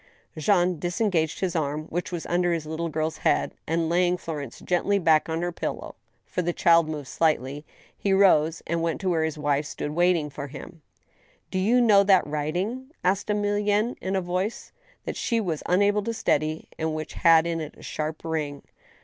Jean disengaged his arm which was under his little girl's head, and laying Florence gently back on her pillow (for the child moved slightly), he rose and went to where his wife stood waiting for him. "Do you know that writing? " asked Emilienne, in a voice that she was unable to steady, and which had in it a sharp ring.